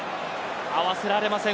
合わせられません。